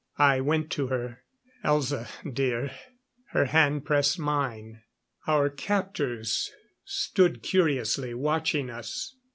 I went to her. "Elza, dear " Her hand pressed mine. Our captors stood curiously watching us.